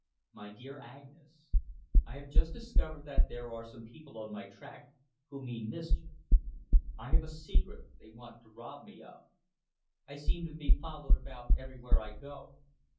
"MY DEAR AGNES, I have just discovered that there are some people on my track who mean mischief. I have a secret they want to rob me of. I seem to be followed about everywhere I go.